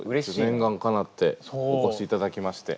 念願かなってお越しいただきまして。